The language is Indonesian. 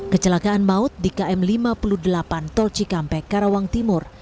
kecelakaan maut di km lima puluh delapan tol cikampek karawang timur